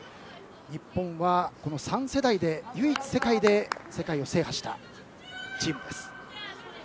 日本は３世代で唯一世界で世界を制覇したチームです。